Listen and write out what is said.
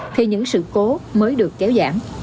thì những sự cố mới được kéo giảm